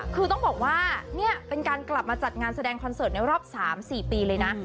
คือต้องบอกว่านี่เป็นการกลับมาจัดงานแสดงคอนเสิร์ตในรอบ๓๔ปีเลยนะ